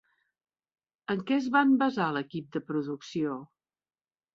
En què es van basar l'equip de producció?